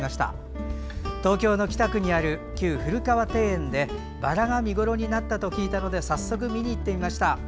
東京の帰宅にある旧古河庭園でバラが見頃になったと聞いたので早速見に行ってきました。